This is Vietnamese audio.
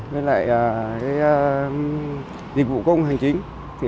với lại dịch vụ công hành chính